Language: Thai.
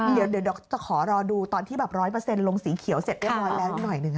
เดี๋ยวจะขอรอดูตอนที่แบบ๑๐๐ลงสีเขียวเสร็จเรียบร้อยแล้วอีกหน่อยหนึ่ง